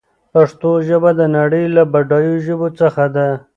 پښتو ژبه د نړۍ له بډايو ژبو څخه ده.